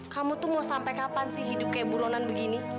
kamu tuh mau sampai kapan sih hidup kayak buronan begini